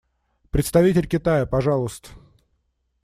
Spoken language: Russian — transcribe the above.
Представитель Китая, пожалуйста.